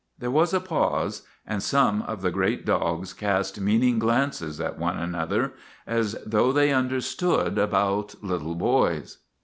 There was a pause, and some of the great dogs cast meaning glances at one another, as though they understood about little boys.